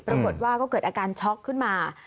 ปรากฏว่าก็เกิดอาการช็อกขึ้นมา